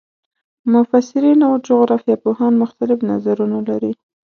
مفسرین او جغرافیه پوهان مختلف نظرونه لري.